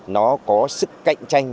nó có sức cạnh tranh